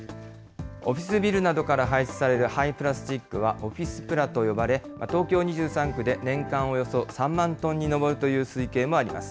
オフィスビルなどから排出される廃プラスチックは、オフィスプラと呼ばれ、東京２３区で年間およそ３万トンに上るという推計もあります。